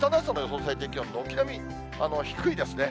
最低気温、軒並み低いですね。